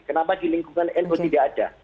kenapa di lingkungan nu tidak ada